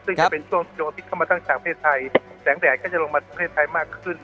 ซึ่งจะเป็นช่วงที่เข้ามาตั้งจากเทพธรรมไทยแสงแดดก็จะลงมาเทพธรรมไทยมากขึ้น